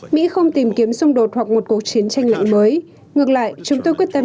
mỹ không tìm kiếm xung đột hoặc một cuộc chiến tranh lạnh mới ngược lại chúng tôi quyết tâm